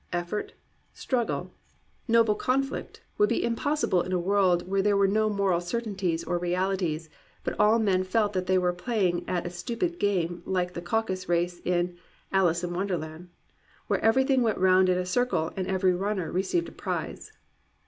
Effort, struggle, noble 285 COMPANIONABLE BOOKS conflict would be impossible in a world where there were no moral certainties or realities, but all men felt that they were playing at a stupid game like the Caucus race in Alice in Wonderland, where every thing went round in a circle and every runner re ceived a prize.